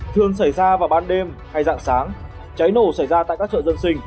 thường xảy ra vào ban đêm hay dạng sáng cháy nổ xảy ra tại các chợ dân sinh